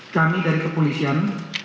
kami dari kepolisian